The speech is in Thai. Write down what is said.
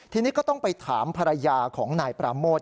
ทีนี้ก็ต้องไปถามภรรยาของนายปราโมท